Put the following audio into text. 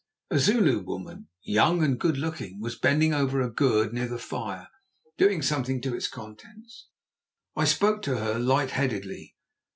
A Zulu woman, young and good looking, was bending over a gourd near the fire, doing something to its contents. I spoke to her light headedly.